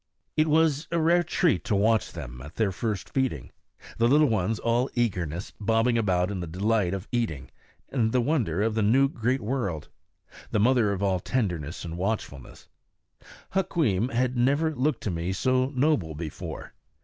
It was a rare treat to watch them at their first feeding, the little ones all eagerness, bobbing about in the delight of eating and the wonder of the new great world, the mother all tenderness and watchfulness. Hukweem had never looked to me so noble before.